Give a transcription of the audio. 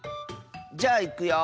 じゃあいくよ。